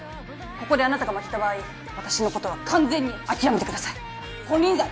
ここであなたが負けた場合私のことは完全に諦めてください金輪際！